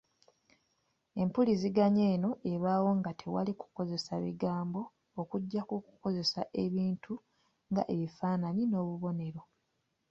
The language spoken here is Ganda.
Empuliziganya eno ebaawo nga tewali kukozesa bigambo okuggyako okukozesa ebintu nga ebifaananyi n'obubonero.